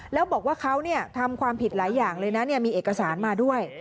แล้วบอกว่าเขาทำความผิดหลายอย่างเลยนะมีเอกสารมาด้วย